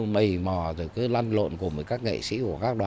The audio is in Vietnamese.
mầy mò rồi cứ lăn lộn cùng với các nghệ sĩ của các đoàn